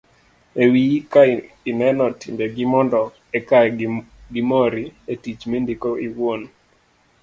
e wiyi ka ineno timbegi mondo eka gimori e tich mindiko iwuon